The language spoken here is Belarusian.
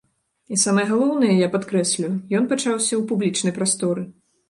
І самае галоўнае, я падкрэслю, ён пачаўся ў публічнай прасторы.